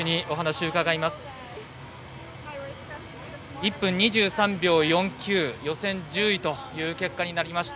１分２３秒４９予選１０位という結果になりました。